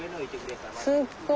すっごい。